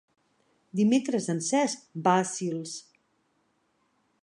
Dimecres en Cesc va a Sils.